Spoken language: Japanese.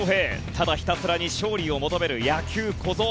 ただひたすらに勝利を求める野球小僧。